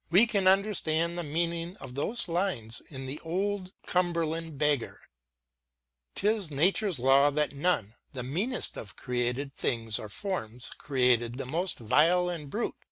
We can understand the mean ing of those lines in the "Old Cumberland Beggar ": 'Tis Nature's law That none, the meanest of created things Or forms created the most vile and brute.